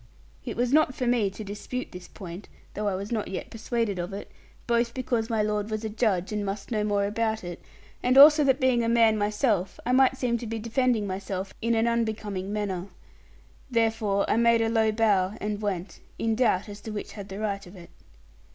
It was not for me to dispute this point (though I was not yet persuaded of it), both because my lord was a Judge, and must know more about it, and also that being a man myself I might seem to be defending myself in an unbecoming manner. Therefore I made a low bow, and went; in doubt as to which had the right of it.